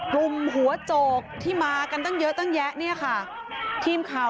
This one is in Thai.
กลุ่มหัวโจกที่มากันตั้งเยอะตั้งแยะเนี่ยค่ะทีมข่าว